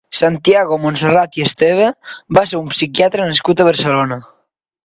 Santiago Montserrat i Esteve va ser un psiquiatre nascut a Barcelona.